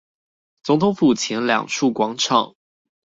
總統府前兩處廣場